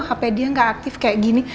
hp dia gak aktif kayak gini